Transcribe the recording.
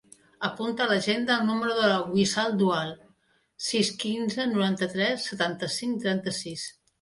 Apunta a l'agenda el número de la Wissal Dual: sis, quinze, noranta-tres, setanta-cinc, trenta-sis.